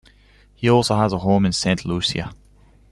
He also has a home in Saint Lucia.